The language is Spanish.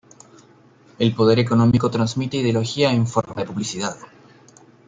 el poder económico transmite ideología en forma de publicidad